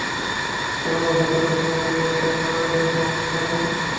চল না ভদ্রলোকের মতো এই অর্থহীন লড়াইয়ের পরিসমাপ্তি টানি?